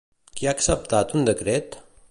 Qui ha acceptat un decret?